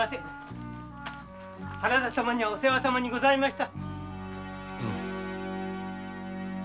原田様にはお世話様にございました。